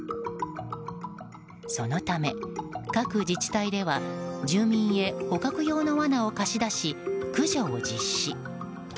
そのため、各自治体では住民へ捕獲用のわなを貸し出し駆除を実施。